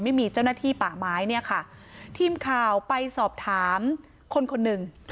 ไม่มีเจ้าหน้าที่ป่าไม้เนี่ยค่ะทีมข่าวไปสอบถามคนคนหนึ่ง